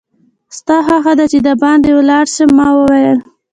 ستا خوښه ده چې دباندې ولاړ شم؟ ما وویل.